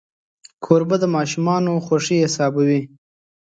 کوربه د ماشومانو خوښي حسابوي.